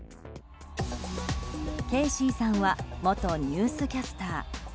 ケイシーさんは元ニュースキャスター。